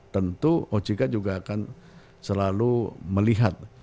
tentu ojk juga akan selalu melihat